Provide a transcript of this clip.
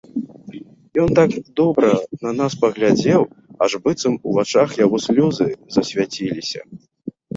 Ён так добра на нас паглядзеў, аж быццам у вачах яго слёзы засвяціліся.